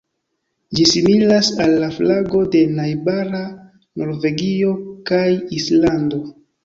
Ĝi similas al la flago de najbara Norvegio kaj Islando.